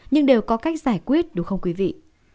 nhưng đều có cách giải quyết đúng không quý vị